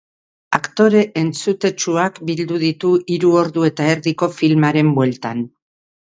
Aktore entzutetsuak bildu ditu hiru ordu eta erdiko filmaren bueltan.